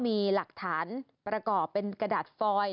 มีหลักฐานประกอบเป็นกระดาษฟอย